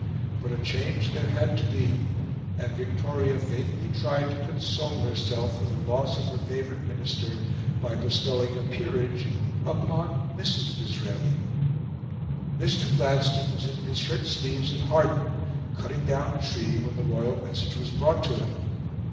But a change there had to be, and Victoria vainly tried to console herself for the loss of her favourite Minister by bestowing a peerage upon Mrs. Disraeli. Mr. Gladstone was in his shirt sleeves at Hawarden, cutting down a tree, when the royal message was brought to him.